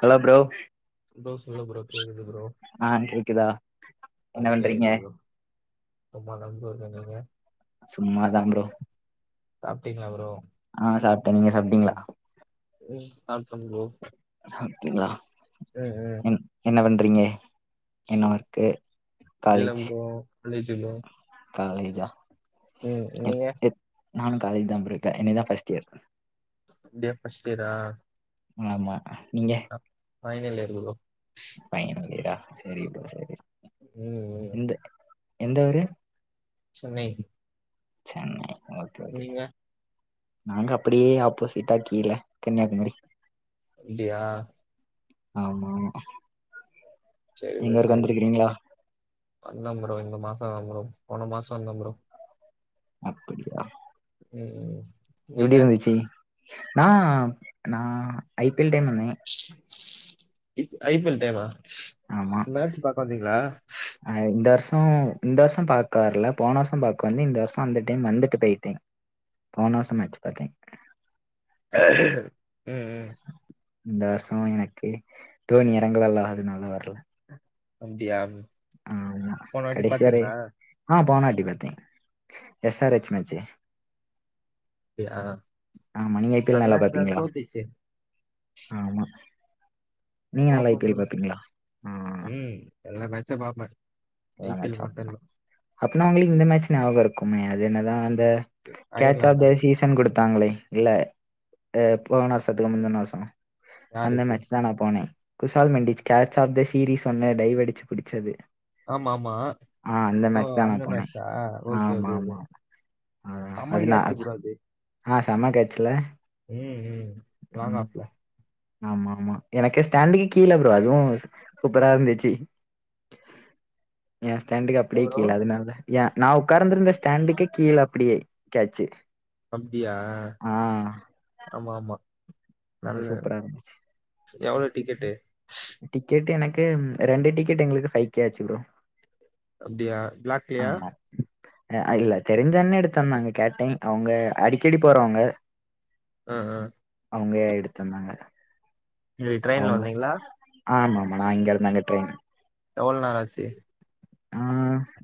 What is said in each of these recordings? Hello bro bro சொல்லு bro கேக்குது bro ஆ கேக்குதா ஆ என்ன பண்றீங்க கேக்குது ப்ரோ சும்மாதா ப்ரோ இருக்கே நீங்க சும்மா தா ப்ரோ சாப்ட்டீங்களா ப்ரோ அ சாப்ட்டே நீங்க சாப்ட்டீங்களா ம் சாப்ட்டே ப்ரோ சாப்டீங்களா ம் ம் ம் என்ன பண்றீங்க என்ன சொல் ஒர்க்கு காலேஜ் இல்லங் ப்ரோ காலேஜ் ப்ரோ காலேஜா ம் எத் நீங்க எத் நானு காலேஜ்தா ப்ரோ இப்ப இன்னிக்குதா ஃப்ஸ்ட் இயர் இந்த இயர் ஃபஸ்ட் இயரா ஆமா நீங்க ஃபைனல் இயர் ப்ரோ ஃபைனல் இயரா செரிப்பா செரி செ ம் ம் எந்த எந்த ஒரு சென்னை சென்னை ஓகே ஓகே நீங்க நாங்க அப்டியே ஆப்போசிட்டா கீழ கன்யாகுமரி அப்டியா ஆமா செரி ப்ரோ எங்க ஊருக்கு செரி ப்ரோ வந்திருக்குறீங்ளா வந்தே ப்ரோ இந்த மாசோ அ ப்ரோ போன மாசோ வந்தே ப்ரோ அப்புடியா ஆ எப்டி ப்ரோ இருந்துச்சு ஆ நா ஐ பி எல் டைம் வந்தே ஐ பி எல் டைமா மேட்ச் பாக்க வந்தீங்களா ஆ இந்த வர்ஷோ இந்த வர்ஷோ பாக்க வர்ல போன வர்ஷோ பாக்க வந்தே இந்த வர்ஷோ அந்த டைம் வந்துட்டு போய்ட்டே போன வர்ஷோ மேச்சு பாத்தே ம் ம் இந்த வர்ஷோ எனக்கு டோணி எறங்கல்ல அதனால வர்ல அப்டியாகுது ஆமா கடைசி வரை ஆ போனாட்டி பாத்தே எஸ் ஆர் எச் மேச்சு அப்டியா ஆமா நீங்க ஐ பீ எல் அந்த நல்லா மேட்ச் நான் பாப்பீங்களா தோத்துச்சு ஆமா நீங்க நல்லா ஐ பார்ப்போம் பீ எல் ப்ரோ பாப்பீங்களா ஆ ம் எல்லா மேச்சு பாப்பே எல்லா மேச்சு அப்புன்னா அவுங்களுக்கு இந்த மேட்ச் ஞாபகோ இருக்கும்மே அது என்னதா அந்த கேட்ச ஆஃப் அயர்லாண்டா த சீசன் குடுத்தாங்களே இல்ல போன வர்ஷத்துக்கு முந்தன வர்ஷோதா அந்த யாருக்கு மேட்ச்தா நா போன Kushal Mendis catch of the series ஒன்னு டைவடிச்சு புடிச்சது ஆமா ஆமா ஆ அந்த ஓ மேட்ச் தான் அந்த நான் போனேன். மேச்சா ஓகே ஆமா, ஓகே ஓகே ஆமா. ஆ சம்ம அது நான் கேச்சு அதான் ப்ரோ அது ஆ செம கேச்சுல ம் ம் லாங் ஆஃப்ல ஆமா ஆமா எனக்கு ஸ்டேண்டிங் கீழ ப்ரோ அதுவு சூப்பரா இருந்துச்சு எ ஸ்டாண்டுக்கு என்ன அப்டியே ப்ரோ கீழ அதுனாலதா எ நா உக்கார்ந்துருந்த ஸ்டாண்டுக்கே கீழ அப்டியே கேச்சு அப்டியா ஆமா ஆமா அது நல்ல சூப்பரா இருந்துச்சு. எவளோ டிக்கெட்டு டிக்கெட் எனக்கு ரெண்டு டிக்கெட்டு எங்களுக்கு ஃபை கே ஆச்சு ப்ரோ அப்டியா பிளாக்லயா ஆ இல்ல தெரிஞ்சண்ணே எடுத்தந்தாங்க கேட்டே அவுங்க அடிக்கடி போறவங்க ஆ ஹா அவுங்க எடுத்தந்தாங்க இன்னிக் ட்ரெயின்ல வந்தீங்ளா ஆமாமா நா இங்கருந்து அங்க ட்ரெயின் எவ்ள் நேரோ ஆச்சு ஆ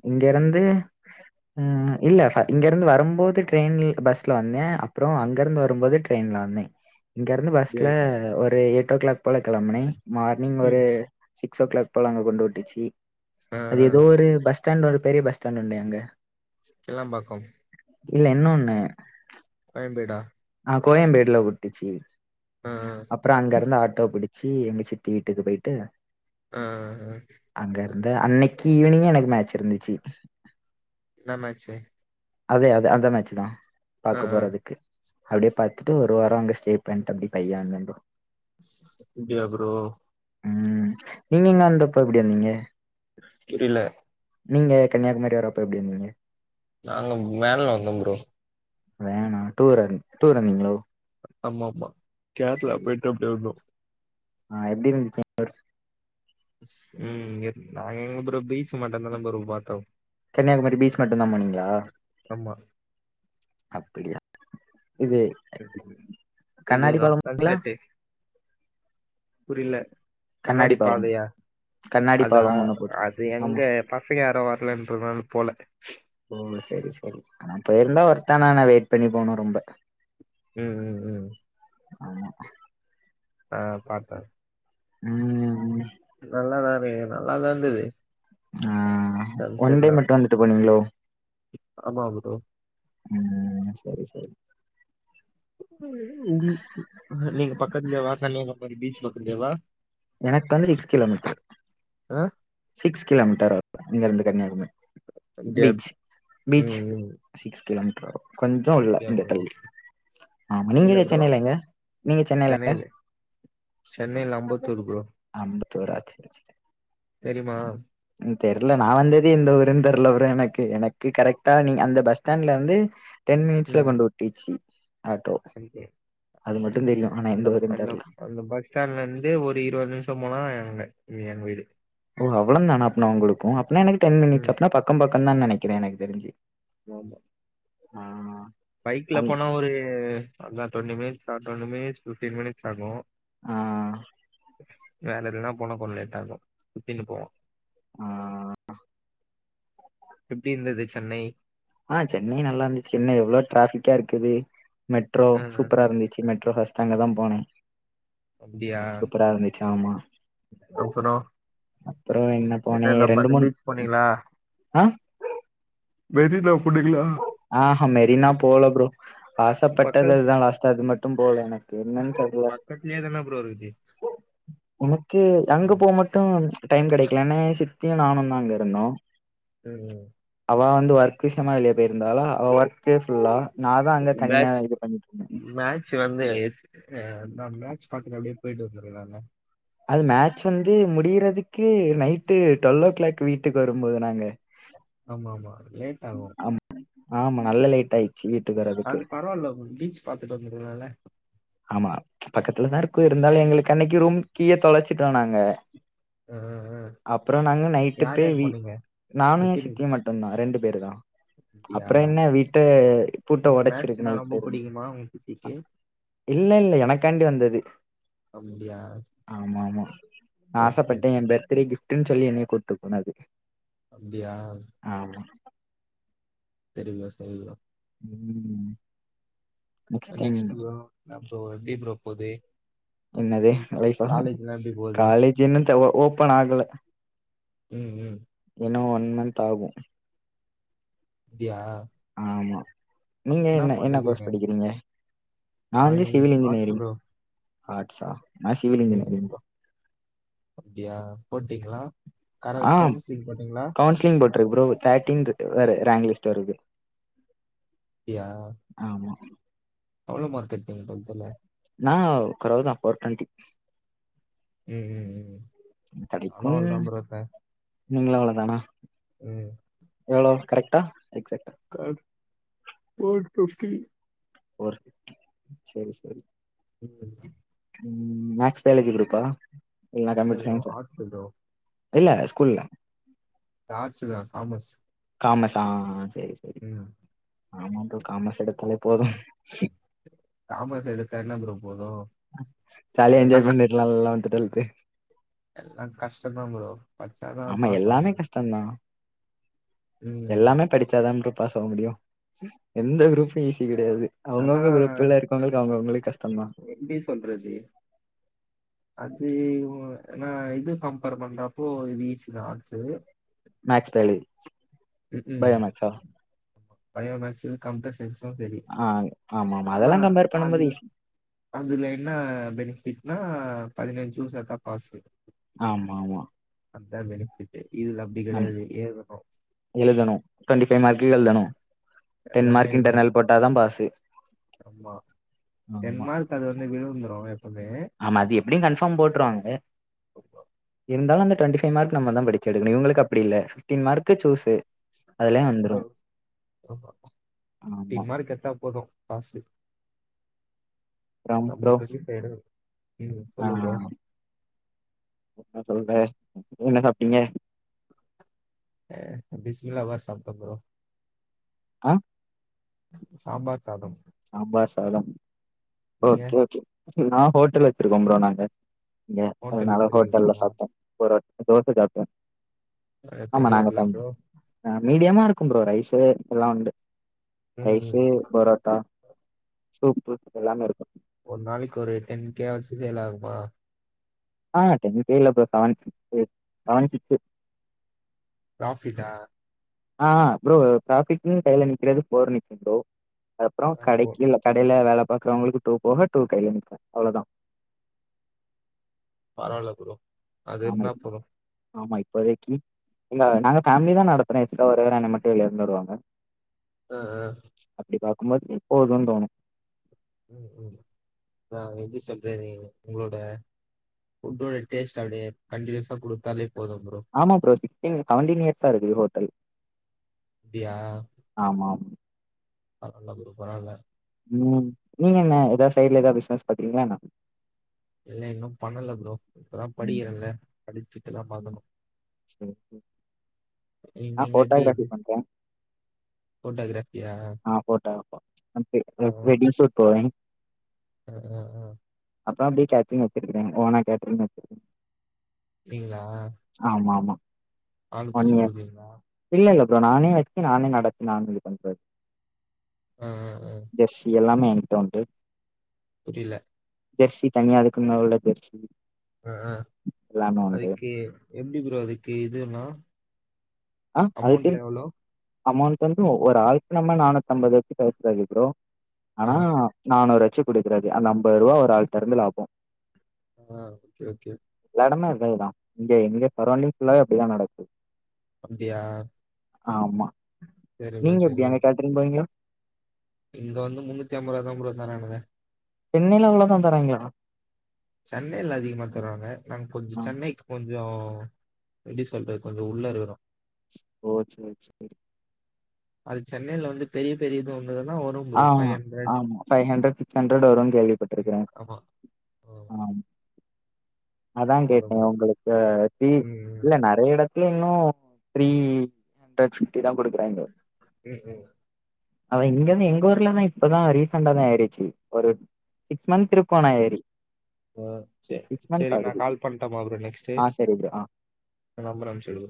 இங்கெருந்து ம் இல்ல ஃப இங்கெருந்து வரும்போது ட்ரெயின் பஸ்ல வந்தே அப்றோ அங்கெருந்து வரும்போது ட்ரெயின்ல வந்தே இங்கெருந்து அப்படியா பஸ்ல ஒரு எயிட் ஓ கிளாக் போல கெளம்புனே மார்னிங் ஒரு ம் சிக்ஸ் ஓ க்ளாக் போல அங்க கொண்டு வுட்டுச்சி ஆ ஆ எதோ ஒரு பஸ் ஸ்டாண்ட் ஒரு பெரிய பஸ் ஸ்டாண்ட் உண்டு அங்க கிளாம்பாக்கம் இல்ல இன்னொன்னு கோயம்பேடா ஆ கோயம்பேட்ல வுட்டுச்சி ஆ அப்றோ அங்கருந்து ஆட்டோ புடிச்சி எங்க சித்தி வீட்டுக்கு போய்ட்டு ஆ ஹா அங்கருந்த அன்னக்கி ஈவ்னிங்கே எனக்கு மேட்ச் இருந்துச்சி என்ன மேட்ச்சு அதே அதே அந்த மேட்ச்சு தா ஆ பாக்க ஆ போறதுக்கு அப்டியே பாத்துட்டு ஒரு வாரோ அங்க ஸ்டே பண்ட்டு அப்டி பைய வந்தே ப்ரோ அப்டியா ப்ரோ ம் நீங்க இங்க வந்தப்ப எப்டி வந்தீங்க தெரில நீங்க கன்னியாகுமரி வரப்ப எப்டி வந்தீங்க நாங்க வேன்ல வந்தோ ப்ரோ வேனா டூர டூர் வந்தீங்ளோ ஆமாமா கேர்ளா போய்ட்டு அப்டே வந்தோ ஆ எப்டி இருந்துச்சு எங்க ஊர் ம் நாங்க எங்க ப்ரோ பீச்சு மட்டுந்தான ப்ரோ பாத்தோ கன்னியாகுமரி பீச் மட்டுந்தா போனீங்ளா ஆமா அப்பிடியா இது கண்ணாடி இதுதா பாலம்ங்களா? சன்செட்டு புரில கண்ணாடி பாதையா கண்ணாடி அதா பாலம் ஒண்ணு போட்டு அது ஆமா. எங்க பசங்க யாரு வர்லன் சொன்னனால போல ஓ சேரி சேரி ஆனா போயிருந்தா ஒர்த்தான ஆனா வெயிட் பண்ணி போனு ரொம்ப ம் ம் ம் ஆமா ஆ பாத்தே ம் ம் நல்லாதாரு நல்லாதாருந்தது ஆ ஒன்டே மட்டு வந்துட்டு போனீங்களோ ஆமா ப்ரோ ம் செரி செரி [unintelligible] நீங்க பக்கத்துல வாசல்லியே உக்காந்து பீஸ் பாக்க முடியுமா எனக்கு வந்து சிக்ஸ் கிலோமீட்ரு ஆ சிக்ஸ் கிலோமீட்டர் இங்க இருந்து கன்னியாகுமரி அப்டியா பீச் ம் பீச்கு ம் சிக்ஸ் கிலோமீட்டர் வரு கொஞ்சோ உள்ள அப்டியா இங்க ப்ரோ தள்ளி ஆமா இல்ல நீங்க ப்ரோ சென்னைல எங்க நீங்க சென்னைல எங்க சென்னையில அம்பத்தூர் ப்ரோ அம்பத்தூரா செரி செரி தெரிம்மா ம் தெர்ல நா வந்ததே இந்த ஊருன தெர்ல ப்ரோ எனக்கு எனக்கு கரெக்டா நீங் அந்த பஸ் ஸ்டாண்ட்ல வந்து டென் மினிட்ஸ்ல ம் கொண்டு ஒட்டிச்சி ஆட்டோ ஓகே அது மட்டு தெரியு ஆனா அந்த எந்த ஊருன் அந்த தெர்ல அந்த பஸ் ஸ்டாண்ட்ல இந்து ஒரு இருவது நிம்ஷோ போனா எங் வீடு ஓ அவ்ளோந்தான அப்னா உங்களுக்கு அப்னா எனக்கு டென் மினிட்ஸ் ம் அப்னா பக்கம் பக்கம் தா நெனைக்கிறே எனக் தெரிஞ்சு ஆமா ஆ பைக்ல அங் போனா ஒரு அதா டுவெண்டி மினிட்ஸ் ஆ டுவெண்டி மினிட்ஸ் ஃபிப்டி மினிட்ஸ் ஆகு ஆ வேல இருக்குனா போனா கொஞ் லேட்டாகு நீங்க போ ஆ எப்டி இருந்தது சென்னை ஆ சென்னை நல்லா இந்துச்சு சென்னை எவ்ளோ டிராஃபிக்கா இருக்குது மெட்ரோ ஆ சூப்பரா இருந்து சின்ன மெட்ரோ பஸ்ட் அங்க தா போனே சூப்பரா இருந்துச்சு ஆமா அப்பறோ அப்றோ என்ன போனே என்னலா ரெண்டு பாத்திங் மூணு பீச் போனீங்களா ஆ மெரினா போனிங்கலா ஆஹ்ஹ மெரினா பல்ல ப்ரோ ஆசப்பட்டது அதுதா லாஸ்ட்டா அது மட்டு போல எனக் பக்கத்துலே தான ப்ரோ இருந்ச்சு உனக்கு அங்க போ மட்டு டைம் கெடைக்கலனே சித்தியு நானு தா அங்க இருந்தோ ம் ம் அவ வந்து ஒர்க் விஷயமா வெளிய போயிருந்தாளா அவ ஒர்கே ஃபுல்லா நா தா அங்க தனியா பேச்சு இது பண்ணிட்டு இருந்தே மேட்சு வந்து நா மேட்சு பாக்கற அப்டின் போயிட்டு வந்தற நானு அது மேட்ச் வந்து முடியிறதுக்கு நைட்டு டுவெல் ஒ கிளாக் வீட்டுக்கு வரும்போது நாங்க ஆமா ஆமா ஏ ஆம் ஆமா நல்ல லேட் ஆயிச்சு வீட்டுக்கு வர அது பரவால்ல பீச் பாத்துட்டு வந்துருவல்ல ஆமா பக்கத்துலதா இருக்கு இருந்தாலு எங்களுக்கு அன்னிக்கு ரூம் கீய தொலச்சுட்டோ நாங்க அஹ் அப்றோ நாங்க நைட்டு யார் போய் யார் வீ போனீங்க நானு எ எத்தனி சித்தியு மட் ட்டுந்தா ரெண்டு பேருதா அப்படியா அப்றோ என்ன வீட்ட பூட்ட ஒடச்சிருக்கனு நைட்டு இருந்து மா உ க்கு இல்ல இல்ல எனக்காண்டி வந்தது அப்படியா ஆமா ஆமா நா சரி ஆசைப்பட்டே சரி எ பர்த்டே ஃகிப்ட்டுன் சொல்லி என்னை கூட்டு போனாரு அப்படியா ஆமா டெடிபியர் ஸ்டைல்ல ம் ஆ நெக்ஸ்ட் ப்ரோ இன்னா ப்ரோ எப்டி ப்ரோ போது என்னது லைஃபா போகுது காலேஜே இன்னத்த ஓப்பன் ஆகல ம் ம் இன்னு ஒன் மந்த் ஆகு அப்டியா ஆமா நீங்க என்ன என்ன கோர்ஸ் படிக்கிறீங்க நா வந்து சிவில் ஆர்ட்ஸ் இன்ஜினியரிங் ப்ரோ நா சிவில் இன்ஜினியரிங் ம் ப்ரோ அப்டியா போட்டீங்ளா க ஆ கவுன்சிலிங் போட்டீங்களா தேர்டின்த்து ரேங்க் லிஸ்ட் வருது அப்டியா ஆமா எவ்ளோ மார்க் எடுத்தீங்க டுவல்த்ல நா கொறவுதா ஃபோர்டொன்டி ம் ம் ம் கெடைக்கும் ஆனால் தான் ப்ரோ நீஙகளு அவ்ளோதானா ம் எவ்ளோ கரெக்டா எக்ஸாக்ட்டா கரெக்ட் ஃபோர்டொன்டி ஒர் செரி செரி [unintelligible] மேக்ஸ் பயாலஜி குரூப்பா இல்ல computer bro science arts bro இல்ல ஸ்கூல்ல ஆர்ட்ஸ் தா காமர்ஸ் காமர்ஸா ஆ செர் செரி ம் ஆமா ப்ரோ காமஸ் எடுத்தாலே போது காமஸ் எடுத்தா என்ன ப்ரோ போது ஜாலிய என்ஜாய் பண்ணிட்லா லவந்த்து டுவல்த்து எல்லா கஷ்ட தா ப்ரோ பச்சாதா பாஸ் ஆவ முடியு அனா எல்லாமே படிச்சாதா ப்ரோ பாஸ் ஆவ முடியு எந்த குரூப்பு ஈஸி கெடையாது ஆனா அவங்கவுங்க குரூப்ல இருக்கவங்களுக்கு அவங்கவுங்களுக்கு கஷ்டதா பண்றதே அது உ நா இது கம்பேர் பண்றப்போ இது ஈஸி தா ஆர்ட்சு மேக்ஸ் பெய்ல் ம்க்கு ஆமா பயோமேக்ஸ் அண்ட் காம்ப்லஸ் எக்சோ தெரி‌ ஆ ஆமா ஆமா அதெல்லா கம்பேர் பண்ணும்போது ஈஸி அதுல என்னா பெனிபிட்னா பதினெஞ்சு சூஸ் எடுத்தா பாஸு ஆமா மா அதா பெனிபிட்டே ஈழம் நம் எழுதணு டொன்டிஃபை மார்க்குக் எழுதணு டென் எல்லாமே மார்க் எழுதணும் இன்டர்னல் போட்டாதா பாஸு ஆமா டென் மார்க் அது வந்து விழுந்துரு எப்பமே. ஆமா. அது எப்டியு கன்ஃபார்ம் போட்ருவாங்க. இருந்தாலு அந்த டுவெண்டிஃபை மார்க் நம்ம தான் படிச்சு எடுக்கணு. இவங்களுக்கு அப்டி இல்ல. ஃபிஃப்டின் மார்க்கு சூஸு அதுலயே வந்துரும். ஆமா ஆமா. டென் மார்க் எடுத்தா போது பாஸு, அப்புறம் நம்ம ப்ரோ டுவன்ட்டி ஃபைவ் எடுக்கணு இன்னு ஆ சொல்லு ப்ரோ என்ன சொல்ற என்ன சாப்ட்டீங்க ஏ, பிஸ்மில்லா பா சாப்ட்டே ப்ரோ. ஆ சாம்பார் சாதம். சாம்பார் சாதம் நீங்க ஒகே ஒகே நா ஹோட்டல் வெச்சிருக்கோ ப்ரோ நாங்க. இங்க ஹோட்டல் அதுனால ஹோட்டல்ல இருக்கீங்களா சாப்ட்டோ ஒரு தோச சாப் அ அஹ் ஆமா பெரிய நாங்க ஹோட்டலா தங் ப்ரோ அ மீடியமா இருக்கு ப்ரோ ரைஸ்ஸீ எல்லா உண்டு. ம் ரைஸ்ஸு, பரோட்டா, சூப்பு எல்லாமே இருக்கு ஒரு நாளைக்கு ஒரு டென்கே வாச்சு சேல் ஆகுமா? ஆ டென் கே இல்ல bro seven six seven six. பிராஃபிட்டா? ஆ ப்ரோ பிராபிட்னு கையில நிக்கிறது ஃபோர் நிக்கு ப்ரோ அப்புறொ போ கடைக்கு. கடைல வேல பாக்கறவங்களுக்கு டூ போக டூ கைல நிக்கு அவ்ளோதா பரவால்ல ப்ரோ அது ஆமா இருந்தா போது ஆமா இப்போதைக்கு இல்ல நாங்க கம்மிதா நட அப்புற எக்ஸ்ட்ரா ஒரு நாள்ல மட்டு எழுந்துடுவாங்க. ஆ ஆ அப்டி, பாக்கும் போது எப்போ வருவாங் தோணு ம் ம், நா எப்டி சொல்றது நீயொட. உங்களோட டெஸ்ட், அப்டியே கண்டினியூஸா கொடுத்தாலே போது ப்ரோ. ஆமா ப்ரோ சிக்ஸ்டீன் செவன்டீன் இயர்ஸா இருக்குது ஹோட்டல். அப்டியா? ஆமாம். பரவால்ல ப்ரோ பரவால்ல ம். நீங்க என்ன ஏதா சைட்ல ஏதா பிசினஸ் பண்றீங்களா என்ன? இல்ல இன்னு பண்ணல ப்ரோ இப்பதா ம். படிக்கிறல படிச்சுட்டு தா ம். பாக்கணு சரி, சரி. நான் இனிமேட்டு போட்டோகிராஃபி எது பண்றேன் ஃபோட்டோகிராஃப். ஆ போட்டா வெ வெ வெட்டிங்க ஷூட் போவே அ அ ஆ அப்ற அப்டியே கேட்டரிங் வச்சிருக்குறே ஓனா கேட்டரிங் வச்சிருக்க நீங்களா ஆமா ஆமா பால் ஒன் பீச்சி இயர் குடுப்பீங்களா இல்ல இல்ல ப்ரோ நானே வச்சு நானே நடச்சு நானு இது பண்றது ம் ம் ம் ஜெர்சி எல்லாமே என்ட்ட உண்டு. புரில ஜெர்சி தனியா அதுக்குன்னா உள்ள போயிரிச்சு. அ அதுக்கு எப்டி ப்ரோ அதுக்கு இதுல்லா அ அதுக்கு. அமௌண்ட் வந்து ஒரு ஆள்க்கு நம்ம நானூத்தம்பதுக்கு குடுக்கணு ப்ரோ ஆ ஆனா நானூறு வாச்சு குடுக்கறது. அந்த அம்பது ரூபா ஒரு ஆள்ட இருந்து லாபொ ஆ ஓகே ஓகே. எல்லா எடமே அதேதா இங்க எங்க சரௌண்டிங் ஃபுல்லாவே அப்டிதா நடக்குது அப்டியா ஆ ஆமா சரி ப்ரோ நீங்க எப்டி அங்க கேட்டிரிங் போவீங்களா இந்த வந்து முன்னூத்தி அம்பது தா ப்ரோ தரானுங்க சென்னையில அவ்ளோதா தராய்ங்களா சென்னையில அதிகமா தருவாங்க நாங்க கொஞ்ச ஆ சென்னைக்கு கொஞ்சோ எப்டி சொல்றது கொஞ்ச உள்ளற இருக்குறோ ஓ சரி சரி அது சென்னையில வந்து பெரிய பெரிய இது வந்ததுன்னா வரு ஆ ஆமா ஃபவ் ஹண்ட்ரட் சிக்ஸ் ஹண்ட்ரட் வரு கேள்வி தெரியு ஆமா ஆ அதா வரும் கேட்டே ப்ரோ உங்களுக்கு சி ம் ம் இல்ல நா நெறைய எடத்துல இன்னு த்ரீ ஹண்ட்ரட் ஃபிப்டி தா குடுக்குறாங்க ம் ம் ஆனா இங்க இருந்து எங்க எங்க ஊர்லதா இப்பதா ரீசெண்டா தா ஏறிடுச்சு ஒரு சிக்ஸ் மந்த் இருக்கு நா ஏறி ஆ ச சிக்ஸ் மந்த் சரி நா ஆகுது கால் பண்ட்டுமா அப்பற நெக்ஸ்ட் டே ஆ சரி ப்ரோ ஆ நம்பர் அனுப்ச்சி விடு